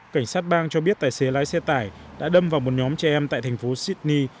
cảnh sát bang cho biết tài xế lái xe tải đã đâm vào một nhóm trẻ em tại thành phố sydney